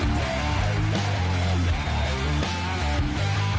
โกยเลย